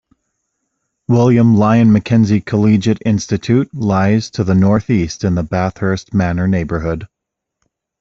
William Lyon Mackenzie Collegiate Institute lies to the northeast in the Bathurst Manor neighbourhood.